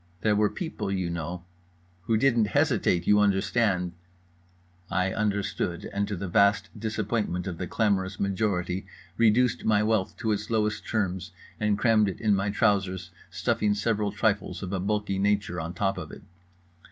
There were people, you know … who didn't hesitate, you understand…. I understood, and to the vast disappointment of the clamorous majority reduced my wealth to its lowest terms and crammed it in my trousers, stuffing several trifles of a bulky nature on top of it.